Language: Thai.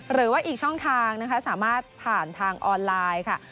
หรือว่าอีกช่องทางนะคะสามารถผ่านทางออนไลน์ค่ะ